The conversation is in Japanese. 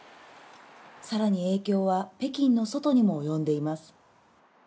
さらに影響は北京の外にもおよんでいます。